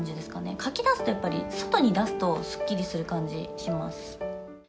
書き出すって、やっぱり外に出すとすっきりする感じします。